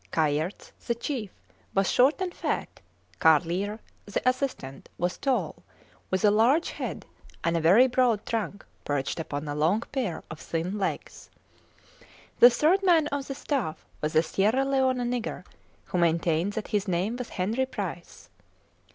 Kayerts, the chief, was short and fat; Carlier, the assistant, was tall, with a large head and a very broad trunk perched upon a long pair of thin legs. The third man on the staff was a Sierra Leone nigger, who maintained that his name was Henry Price.